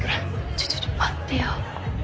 ちょちょちょ待ってよ。